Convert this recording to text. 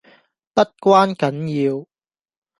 不關緊要